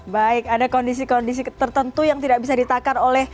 baik ada kondisi kondisi tertentu yang tidak bisa ditakar oleh